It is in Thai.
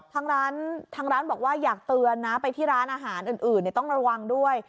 ทางร้านทางร้านบอกว่าอยากเตือนนะไปที่ร้านอาหารอื่นต้องระวังด้วย